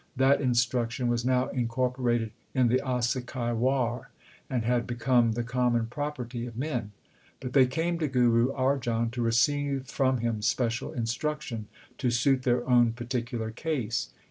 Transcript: That instruction was now incorporated in the Asa ki War, and had become the common property of men ; but they came to Guru Ar j an to receive from him special instruction to suit their own particular case.